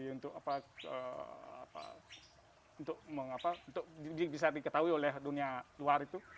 untuk bisa diketahui oleh dunia luar itu